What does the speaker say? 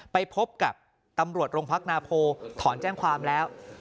ไปพบกับตำรวจโรงพักนาโพถอนแจ้งความแล้ว